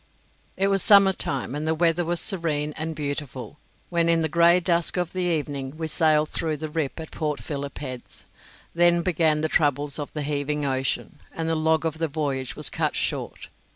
It was summer time, and the weather was serene and beautiful, when in the grey dusk of the evening we sailed through the Rip at Port Philip Heads. Then began the troubles of the heaving ocean, and the log of the voyage was cut short.